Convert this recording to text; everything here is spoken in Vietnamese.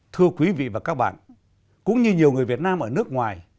thưa quý vị và các bạn cũng như nhiều người việt nam ở nước ngoài